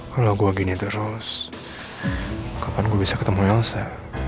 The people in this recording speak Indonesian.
kalau gua gini terus kapan gua bisa ketemu elsa